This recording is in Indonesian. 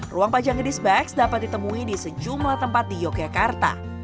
ruang pajang gedis bags dapat ditemui di sejumlah tempat di yogyakarta